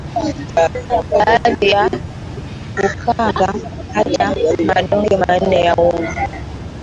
baada ya kukanga kata madonge manne ya unga